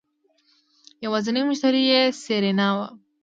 يوازينی مشتري يې سېرېنا وه.